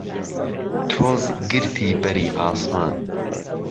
تۆز گرتی بەری عاسمان